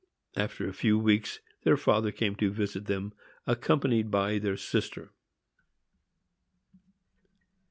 After a few weeks their father came to visit them, accompanied by their sister.